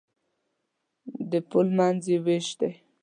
د پل منځ یې وېش دی.